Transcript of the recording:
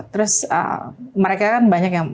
terus mereka kan banyak yang